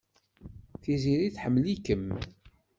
Tiziri tḥemmel-ikem.